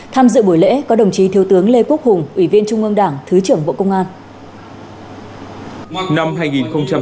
tham dự buổi lễ có đồng chí thiếu tướng lê quốc hùng ủy viên trung ương đảng thứ trưởng bộ công an